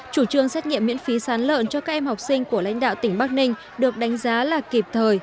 chủ trương xét nghiệm miễn phí sán lợn cho các em học sinh của lãnh đạo tỉnh bắc ninh được đánh giá là kịp thời